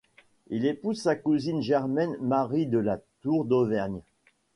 Il épouse sa cousine germaine Marie de La Tour d'Auvergne.